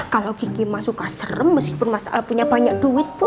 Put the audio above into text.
kalau kiki mah suka serem meskipun mas al punya banyak duit bu